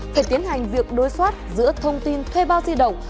phải tiến hành việc đối soát giữa thông tin thuê bao di động